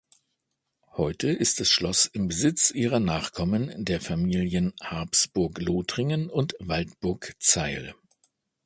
Heute ist das Schloss im Besitz ihrer Nachkommen, der Familien Habsburg-Lothringen und Waldburg-Zeil.